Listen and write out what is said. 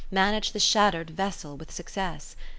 Manage the shatter'd vessel with success.